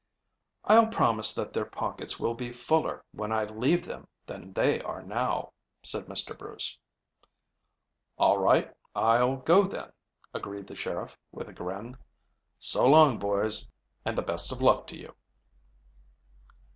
"I'll promise that their pockets will be fuller when I leave them than they are now," said Mr. Bruce. "All right, I'll go then," agreed the sheriff, with a grin. "So long, boys, and the best of luck to you."